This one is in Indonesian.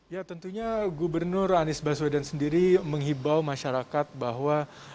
ya tentunya gubernur anies baswedan sendiri menghibau masyarakat bahwa